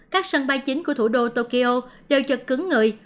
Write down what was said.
các sân bay chính của thủ đô tokyo đều chật cứng người